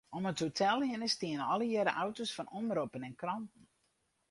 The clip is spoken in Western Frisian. Om it hotel hinne stiene allegearre auto's fan omroppen en kranten.